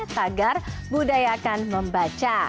tagar budaya akan membaca